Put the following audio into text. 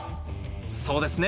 そうですね